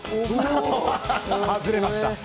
外れました。